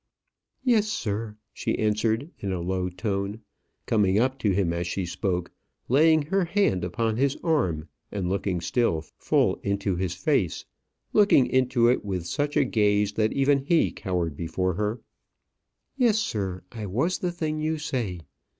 "Yes, sir," she answered, in a low tone, coming up to him as she spoke, laying her hand upon his arm, and looking still full into his face looking into it with such a gaze that even he cowered before her. "Yes, sir, I was the thing you say.